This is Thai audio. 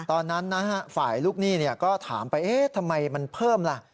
ตอนนั้นนะฮะฝ่ายลูกหนี้ก็ถามไปเอ๊ะทำไมมันเพิ่มล่ะ